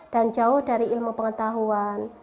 dan jauh dari ilmu pengetahuan